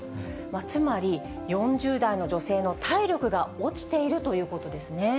つまり４０代の女性の体力が落ちているということですね。